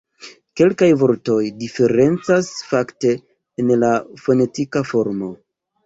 Kelkaj vortoj diferencas fakte en la fonetika formo.